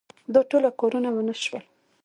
دا ټوله کارونه ونه شول.